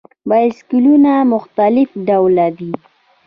بایسکلونه مختلف ډوله دي.